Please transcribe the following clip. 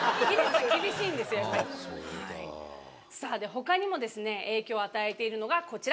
他にも影響を与えているのがこちら。